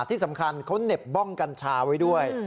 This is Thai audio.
ที่สำคัญเขาเหน็บบ้องกัญชาไว้ด้วย